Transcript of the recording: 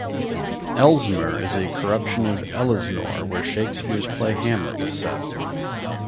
Elsmore is a corruption of Elsinore, where Shakespeare's play "Hamlet" was set.